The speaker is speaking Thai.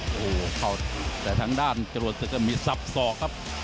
โอ้โหเข้าแต่ทางด้านจรวดศึกก็มีสับสอกครับ